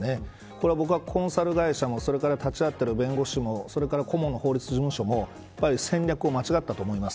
これは、コンサル会社も立ち会っている弁護士も顧問の法律事務所も戦略を間違ったと思います。